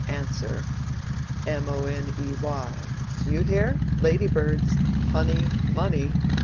Answer—money.' You hear?—lady birds—honey money.